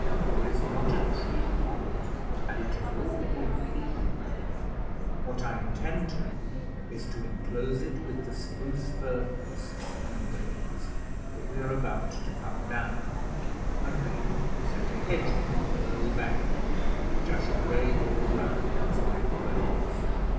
There is not a tree on it, and it is all good feeding ground. What I intend to do is to inclose it with the spruce fir posts and rails that we are about to cut down, and then set a hedge upon a low bank which I shall raise all round inside the rails.